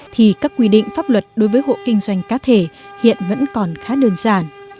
thì các quy định pháp luật đối với hộ kinh doanh cá thể hiện vẫn còn khá đơn giản